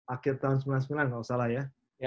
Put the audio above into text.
akhir tahun sembilan puluh sembilan kalau tidak salah ya